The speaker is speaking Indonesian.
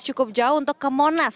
cukup jauh untuk ke monas